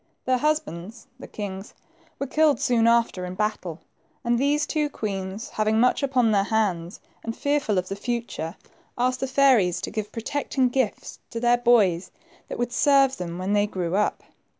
Their husbands, the kings, were killed soon after in battle, and these two queens, having much upon their hands, and fearful of the future, asked the fairies to give protecting gifts to their boys, that would serve them when they grew up.